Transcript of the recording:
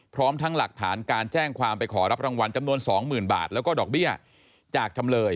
พร้อมทั้งหลักฐานการแจ้งความไปขอรับรางวัลจำนวน๒๐๐๐บาทแล้วก็ดอกเบี้ยจากจำเลย